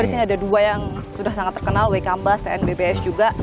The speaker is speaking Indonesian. di sini ada dua yang sudah sangat terkenal way combas tnbbs juga